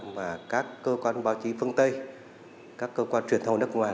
và các cơ quan báo chí phương tây các cơ quan truyền thông nước ngoài